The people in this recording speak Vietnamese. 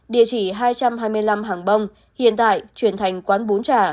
địa chỉ hai trăm hai mươi năm hàng bông hiện tại chuyển thành quán bún chả